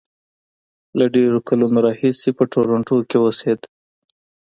له ډېرو کلونو راهیسې په ټورنټو کې اوسېد.